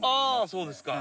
そうですか。